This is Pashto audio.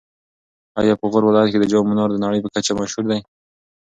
ایا په غور ولایت کې د جام منار د نړۍ په کچه مشهور دی؟